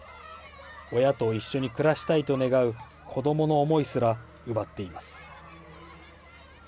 親と一緒に暮らしたいと願う子どもの思いすら奪っています。